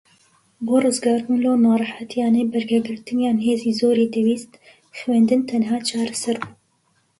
بۆ ڕزگاربوون لەو ناڕەحەتیانەی بەرگەگرتنیان هێزی زۆری دەویست خوێندن تەنھا چارەسەر بوو